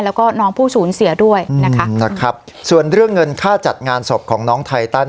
แล้วก็น้องผู้สูญเสียด้วยนะคะนะครับส่วนเรื่องเงินค่าจัดงานศพของน้องไทตัน